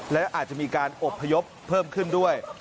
และอาจจะมีการอบพยพเพิ่มขึ้นด้วย